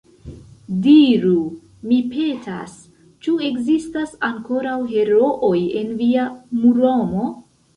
Diru, mi petas, ĉu ekzistas ankoraŭ herooj en via Muromo?